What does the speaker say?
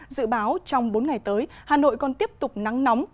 dự báo trong bốn ngày tới hà nội còn tiếp tục nắng nóng